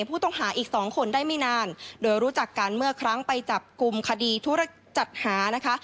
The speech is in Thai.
ผู้ต้องหาอีกสองคนได้ไม่นานโดยรู้จักกันเมื่อครั้งไปจับกลุ่มคดีธุรจัดหานะคะ